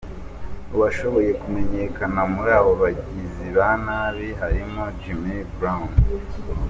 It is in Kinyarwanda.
Uwashoboye kumenyekana muri aba bagizi ba nabi harimo Jim Broun.